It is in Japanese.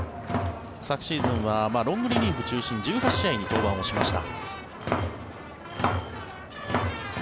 昨シーズンはロングリリーフ中心１８試合に登板をしました。